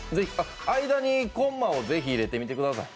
間にコンマをぜひ入れてみてください。